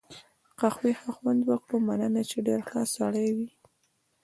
قهوې ښه خوند وکړ، مننه، چې ډېر ښه سړی وې.